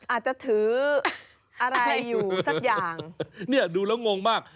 อาจจะถืออะไรอยู่สักอย่างเนี่ยดูแล้วงงมาก